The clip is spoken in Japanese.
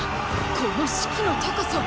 この士気の高さは。